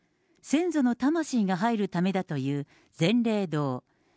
先祖の魂が入るためだという善霊堂。